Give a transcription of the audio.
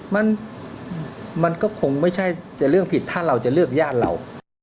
มันมันก็คงไม่ใช่จะเรื่องผิดถ้าเราจะเลือกญาติเรา